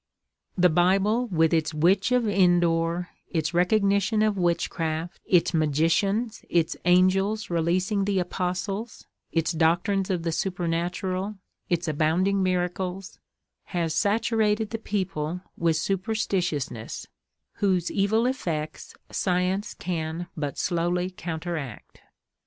The Bible with its Witch of Endor, its recognition of witchcraft, its magicians, its angels releasing the Apostles, its doctrines of the supernatural, its abounding miracles, has saturated the people with superstitiousness, whose evil effects Science can but slowly counteract.